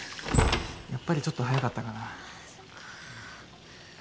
やっぱりちょっと早かったかなああ